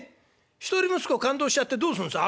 一人息子を勘当しちゃってどうするんです？